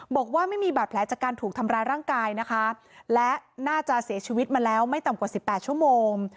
บอกว่าไม่มีบาดแผลจากการถูกทำร้ายร่างกายนะคะและน่าจะเสียชีวิตมาแล้วไม่ต่ำกว่าสิบแปดชั่วโมง